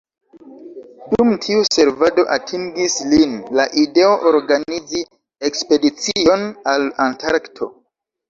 Dum tiu servado atingis lin la ideo organizi ekspedicion al Antarkto.